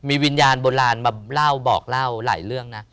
มีวิญญาณโบราณมาเล่าบอกเล่าหลายเรื่องนะ